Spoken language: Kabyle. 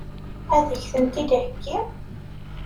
Ad k-tent-id-theggi?